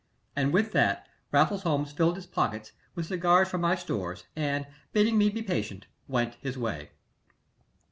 And with that Raffles Holmes filled his pockets with cigars from my stores, and bidding me be patient went his way.